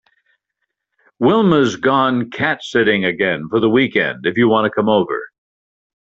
Wilma’s gone cat sitting again for the weekend if you want to come over.